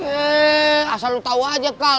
eh asal lu tau aja kal